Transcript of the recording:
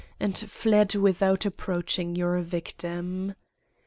and fled without approaching your victim.